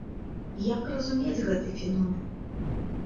Як разумець гэты феномен?